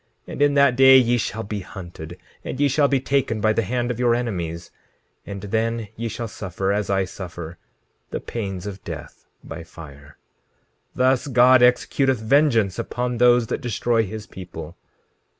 17:18 And in that day ye shall be hunted, and ye shall be taken by the hand of your enemies, and then ye shall suffer, as I suffer, the pains of death by fire. 17:19 Thus God executeth vengeance upon those that destroy his people.